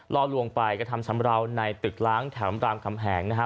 ลอดลวงไปกระทำชัมเบลาในตึกร้องแถวมาร์มกำแหงนะคะ